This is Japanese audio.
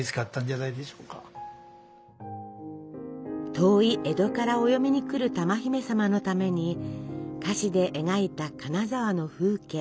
遠い江戸からお嫁に来る珠姫様のために菓子で描いた金沢の風景。